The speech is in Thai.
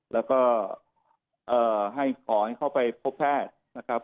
แล้วก็ขอให้เขาไปพบแพทย์